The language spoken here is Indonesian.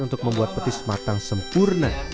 untuk membuat petis matang sempurna